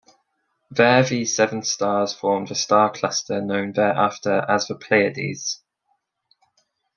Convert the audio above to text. There these seven stars formed the star cluster known thereafter as the Pleiades.